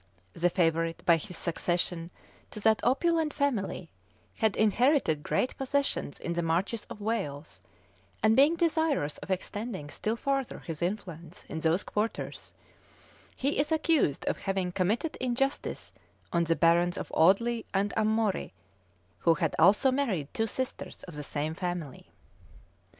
The favorite, by his succession to that opulent family, had inherited great possessions in the marches of Wales,[] and being desirous of extending still farther his influence in those quarters, he is accused of having committed injustice on the barons of Audley and Ammori, who had also married two sisters of the same family.